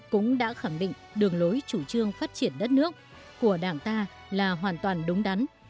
cũng đã khẳng định đường lối chủ trương phát triển đất nước của đảng ta là hoàn toàn đúng đắn